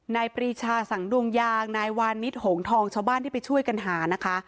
ปรีชาสังดวงยางนายวานิสหงทองชาวบ้านที่ไปช่วยกันหานะคะ